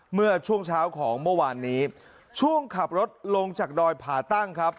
เมื่อช่วงเช้าของเมื่อวานนี้ช่วงขับรถลงจากดอยผ่าตั้งครับ